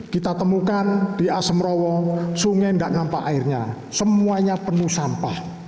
kita temukan di asemrowo sungai tidak nampak airnya semuanya penuh sampah